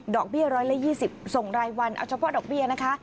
เบี้ย๑๒๐ส่งรายวันเอาเฉพาะดอกเบี้ยนะคะ